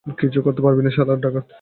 কিছুই করতে পারবি না, শালার ডাকাত।